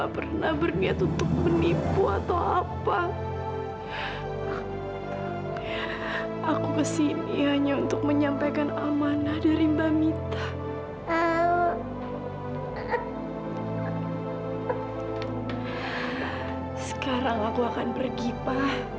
sampai jumpa di video selanjutnya